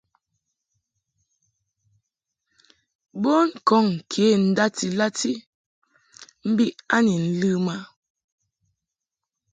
Bon kɔŋ kə ndati lati mbi a ni ləm a.